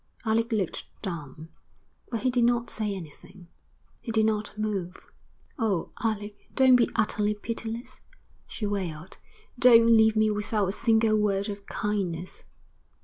Alec looked down, but he did not say anything. He did not move. 'Oh, Alec, don't be utterly pitiless,' she wailed. 'Don't leave me without a single word of kindness.'